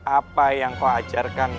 apa yang kau ajarkan